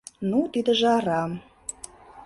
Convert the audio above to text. — Ну, тидыже арам...